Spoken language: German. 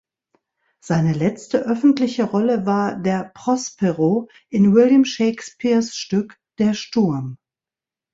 Seine letzte öffentliche Rolle war der "Prospero" in William Shakespeares Stück Der Sturm.